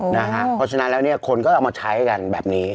เพราะฉะนั้นแล้วเนี่ยคนก็เอามาใช้กันแบบนี้